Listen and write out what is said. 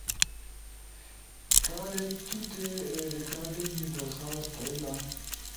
کارے تو تے ریکارڈنگ ئی درخواست تھئیلا،